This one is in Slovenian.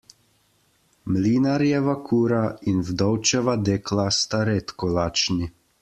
Mlinarjeva kura in vdovčeva dekla sta redko lačni.